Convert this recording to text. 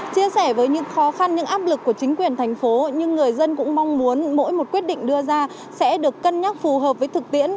chia sẻ với những khó khăn những áp lực của chính quyền thành phố nhưng người dân cũng mong muốn mỗi một quyết định đưa ra sẽ được cân nhắc phù hợp với thực tiễn